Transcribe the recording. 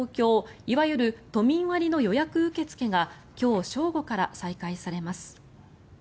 いわゆる都民割の予約受け付けが今日正午から再開されます。